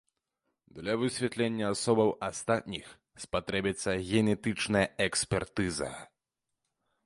Для высвятлення асобаў астатніх спатрэбіцца генетычная экспертыза.